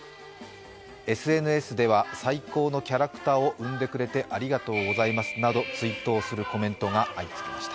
ＳＮＳでは最高のキャラクターを生んでくれてありがとうございますなど追悼するコメントが相次ぎました。